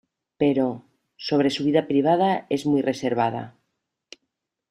Pero, sobre su vida privada es muy reservada.